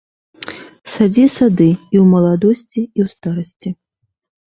Садзі сады і ў маладосці, і ў старасці!